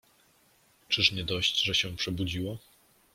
Czyż nie dość, że się przebudziło?